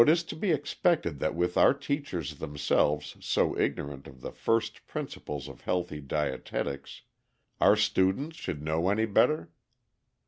] Now, is it to be expected that with our teachers themselves so ignorant of the first principles of healthy dietetics our students should know any better?